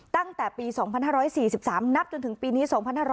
ตั้งแต่ปี๒๕๔๓นับจนถึงปีนี้๒๕๖๐